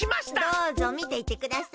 どうぞみていってください。